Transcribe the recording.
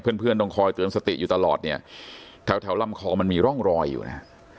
เพื่อนเพื่อนต้องคอยเตือนสติอยู่ตลอดเนี่ยแถวแถวลำคอมันมีร่องรอยอยู่นะฮะ